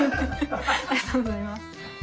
ありがとうございます。